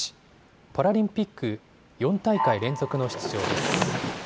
パラリンピック４大会連続の出場です。